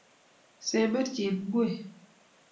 semberchi ngwek